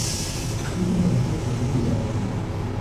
Los siguientes ejemplos proceden de varias lenguas.